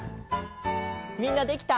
みんなできた？